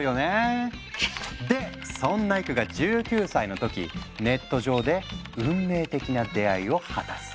でそんなエクが１９歳の時ネット上で運命的な出会いを果たす。